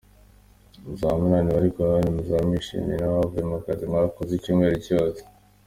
Muzaba munaniwe ariko nanone muzaba mwishimiye n’ibyavuye mu kazi mwakoze icyumweru cyose.